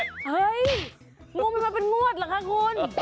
เฮ้ยงูมันมาเป็นงวดเหรอคะคุณ